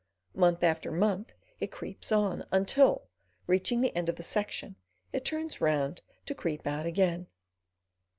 Month after month it creeps on, until, reaching the end of the section, it turns round to creep out again.